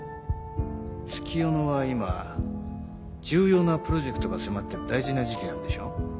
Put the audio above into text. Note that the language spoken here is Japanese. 月夜野は今重要なプロジェクトが迫ってる大事な時期なんでしょ？